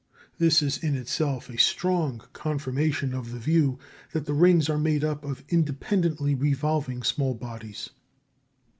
This is in itself a strong confirmation of the view that the rings are made up of independently revolving small bodies.